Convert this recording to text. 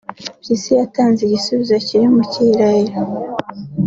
Mpyisi yatanze igisubizo kiri mu gihirahiro